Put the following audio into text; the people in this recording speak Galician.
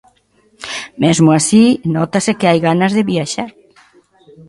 Mesmo así, nótase que hai ganas de viaxar.